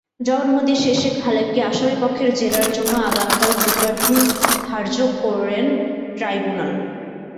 জবানবন্দি শেষে খালেককে আসামিপক্ষের জেরার জন্য আগামীকাল বুধবার দিন ধার্য করেন ট্রাইব্যুনাল।